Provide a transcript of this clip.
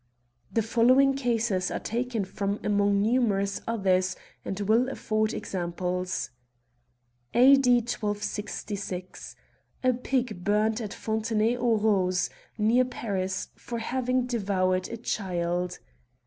The following cases are taken from among numerous others, and will afford examples : A.D. 1266. A pig burned at Fontenay aux Roses, near Paris, for having devoured a child.